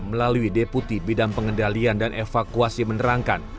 melalui deputi bidang pengendalian dan evakuasi menerangkan